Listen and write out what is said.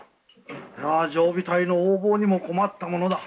いや常備隊の横暴にも困ったものだ。